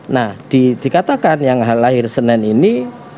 nah dikatakan yang lahir senin ini